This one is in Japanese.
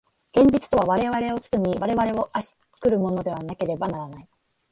現実とは我々を包み、我々を圧し来るものでなければならない。